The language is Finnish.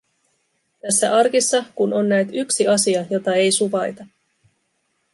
Tässä arkissa kun on näet yksi asia, jota ei suvaita;